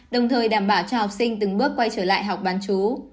đồng thời đảm bảo cho học sinh từng bước quay trở lại học bán chú